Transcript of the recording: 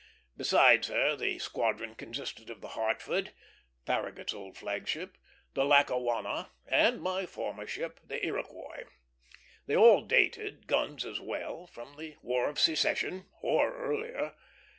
Besides her, the squadron consisted of the Hartford, Farragut's old flag ship, the Lackawanna, and my former ship, the Iroquois. They all dated, guns as well, from the War of Secession, or earlier.